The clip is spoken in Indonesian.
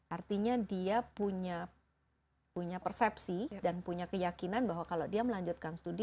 artinya dia punya persepsi dan punya keyakinan bahwa kalau dia melanjutkan studi